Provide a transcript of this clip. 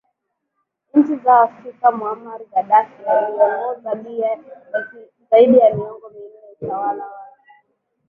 nchi zao Afrika Muammar Gaddafi Aliiongoza Liya kwa zaidi ya miongo minne Utawala wake